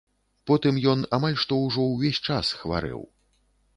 Потым ён амаль што ўжо ўвесь час хварэў.